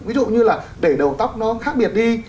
ví dụ như là để đầu tóc nó khác biệt đi